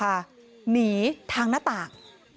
อาจจะหนีทางหน้าตาก